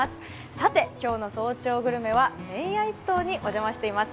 さて、今日の「早朝グルメ」は麺屋一燈にお邪魔しています。